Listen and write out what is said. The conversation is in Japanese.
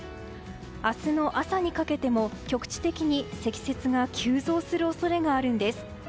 明日の朝にかけても局地的に積雪が急増する恐れがあるんです。